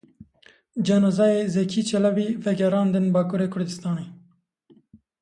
Cenazeyê Zekî Çelebî vegerandin Bakurê Kurdistanê.